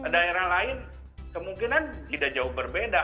daerah lain kemungkinan tidak jauh berbeda